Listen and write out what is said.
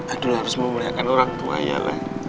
adul harus memuliakan orang tua